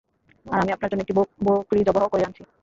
আর আমি আপনার জন্য একটি বকরী যবাহ করে আনছি।